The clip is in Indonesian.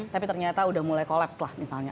tapi ternyata udah mulai kolaps lah misalnya